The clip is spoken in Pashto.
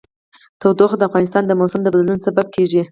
تودوخه د افغانستان د موسم د بدلون سبب کېږي.